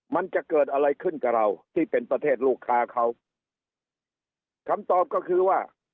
มันจะเกิดอะไรขึ้นกับเราที่เป็นประเทศลูกค้าเขาคำตอบก็คือว่า